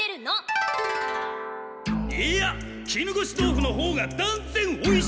いいや絹ごし豆腐のほうがだんぜんおいしい！